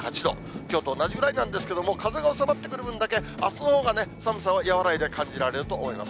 きょうと同じぐらいなんですけども、風が収まってくる分だけ、あすのほうが寒さが和らいで感じられると思います。